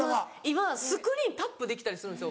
今はスクリーンタップできたりするんですよ。